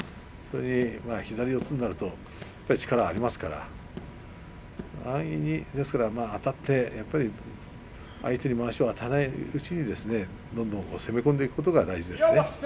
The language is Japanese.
左四つになるとやっぱり力がありますから安易にですからあたって相手にまわしを与えないうちにどんどん攻め込んでいくことが大事ですね。